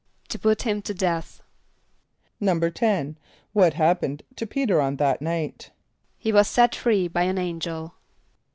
=To put him to death.= =10.= What happened to P[=e]´t[~e]r on that night? =He was set free by an angel.